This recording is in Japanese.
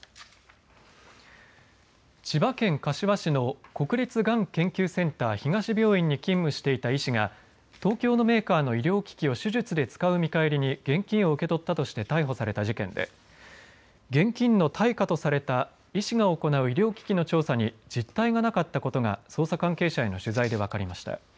千葉県柏市の国立がん研究センター東病院に勤務していた医師が東京のメーカーの医療機器を手術で使う見返りに現金を受け取ったとして逮捕された事件で現金の対価とされた医師が行う医療機器の調査に実態がなかったことが捜査関係者への取材で分かりました。